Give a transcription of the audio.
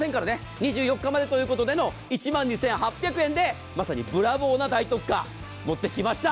２４日までということでの１万２８００円でのまさにブラボーな大特価持ってきました。